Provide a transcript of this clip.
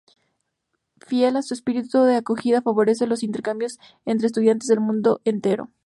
Fiel a su espíritu de acogida, favorece los intercambios entre estudiantes del mundo entero.